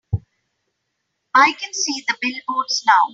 I can see the billboards now.